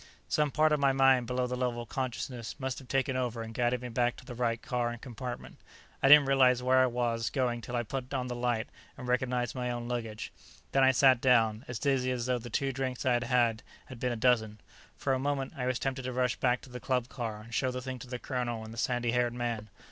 Some part of my mind below the level of consciousness must have taken over and guided me back to the right car and compartment; I didn't realize where I was going till I put on the light and recognized my own luggage. Then I sat down, as dizzy as though the two drinks I had had, had been a dozen. For a moment, I was tempted to rush back to the club car and show the thing to the colonel and the sandy haired man.